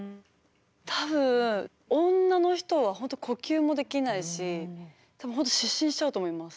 多分女の人は本当呼吸もできないし多分本当失神しちゃうと思います。